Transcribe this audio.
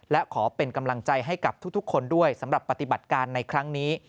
และขอเป็นกำลังใจให้กับทุกคนด้วยสำหรับปฏิบัติการในครั้งนี้